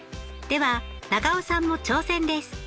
では永尾さんも挑戦です。